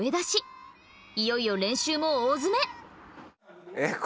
いよいよ練習も大詰め。